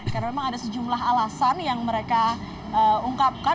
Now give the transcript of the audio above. karena memang ada sejumlah alasan yang mereka ungkapkan